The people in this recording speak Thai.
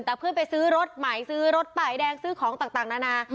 แต่เพื่อนไปซื้อรถใหม่ซื้อรถป้ายแดงซื้อของต่างนานา